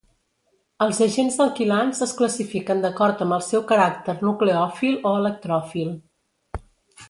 Els agents alquilants es classifiquen d’acord amb el seu caràcter nucleòfil o electròfil.